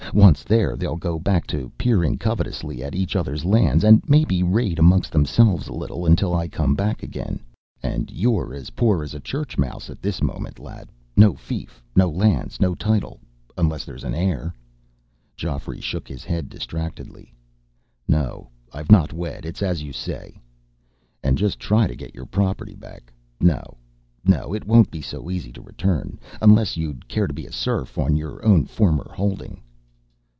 Once there, they'll go back to peering covetously at each other's lands, and maybe raid amongst themselves a little, until I come back again. And you're as poor as a church mouse at this moment, lad no fief, no lands, no title unless there's an heir?" Geoffrey shook his head distractedly. "No. I've not wed. It's as you say." "And just try to get your property back. No no, it won't be so easy to return. Unless you'd care to be a serf on your own former holding?"